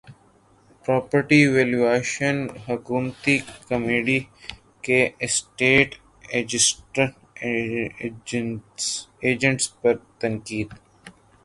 property valuation حکومتی committee کی estate agents پر تنقید